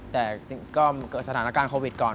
แต่ก็เกิดสถานการณ์โควิดก่อน